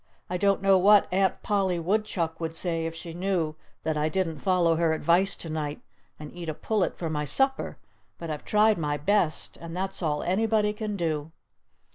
"I don't know what Aunt Polly Woodchuck would say if she knew that I didn't follow her advice to night and eat a pullet for my supper.... But I've tried my best.... And that's all anybody can do."